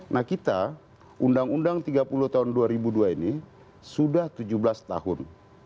nah kita undang undang tiga puluh tahun dua ribu dua ini sudah tujuh belas tahun